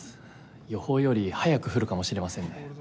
予報より早く降るかもしれませんね。